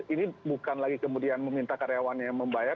ini bukan lagi kemudian meminta karyawannya membayar